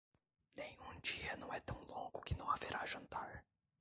Nenhum dia não é tão longo que não haverá jantar.